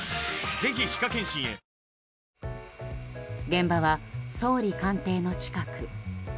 現場は、総理官邸の近く。